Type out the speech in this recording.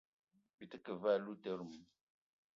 Byi te ke ve aloutere mou ?